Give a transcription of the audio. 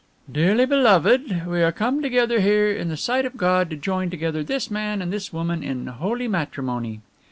"Dearly beloved, we are come together here in the sight of God to join together this Man and this Woman in Holy Matrimony....